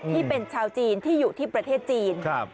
ที่เป็นชาวจีนที่อยู่ที่ประเทศจีน